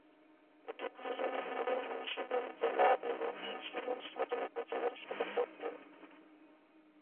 এটি প্রশাসনিকভাবে মুন্সিগঞ্জ জেলা এবং মুন্সিগঞ্জ সদর উপজেলার সদরদপ্তর।